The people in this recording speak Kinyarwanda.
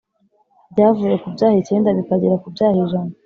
byavuye ku byaha icyenda bikagera kubyaha ijana